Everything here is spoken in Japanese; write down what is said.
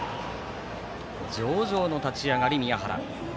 上々の立ち上がり、宮原。